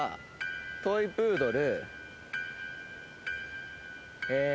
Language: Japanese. トイプードル。